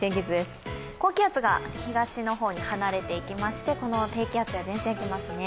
高気圧が東の方に離れていきまして低気圧や前線が来ます。